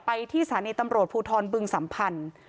ที่สถานีตำรวจภูทรบึงสัมพันธ์